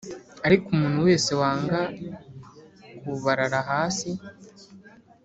Ariko umuntu wese wanga kubarara hasi